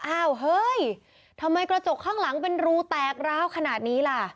อ้าวเฮ้ยทำไมกระจกข้างหลังเป็นรูแตกร้าวขนาดนี้ล่ะ